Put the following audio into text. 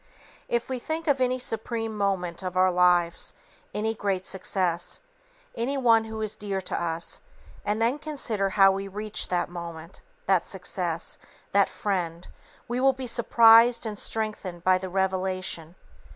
If we think of any supreme moment of our lives, any great success, any one who is dear to us, and then consider how we reached that moment, that success, that friend, we will be surprised and strengthened by the revelation.